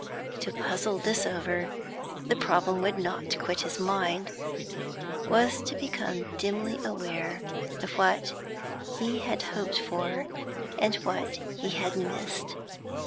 To puzzle this over the problem would not quit his mind was to become dimly aware of what he had hoped for and what he had missed.